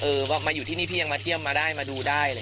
เออว่ามาอยู่ที่นี่พี่ยังมาเที่ยมมาได้มาดูได้